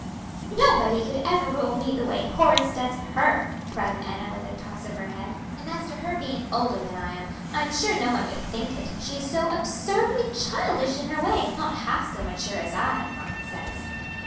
"Nobody could ever rule me the way Horace does her!" cried Enna, with a toss of her head. "And as to her being older than I am, I'm sure no one would think it; she is so absurdly childish in her way; not half so mature as I, mamma says."